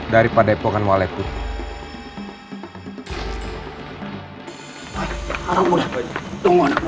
dari padepokan waletku